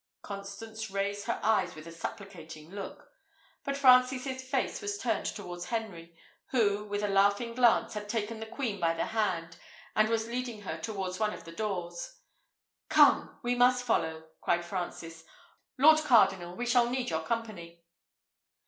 Constance raised her eyes with a supplicating look; but Francis's face was turned towards Henry, who, with a laughing glance, had taken the queen by the hand, and was leading her towards one of the doors. "Come, we must follow," cried Francis. "Lord cardinal, we shall need your company."